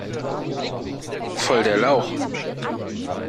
Voll der Lauch!